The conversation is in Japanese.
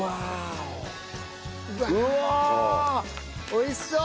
美味しそう！